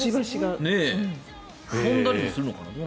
飛んだりするのかな？